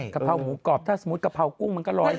กะเพราหมูกรอบถ้าสมมุติกะเพรากุ้งมันก็๑๐๐